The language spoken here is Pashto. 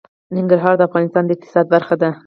ننګرهار د افغانستان د اقتصاد برخه ده.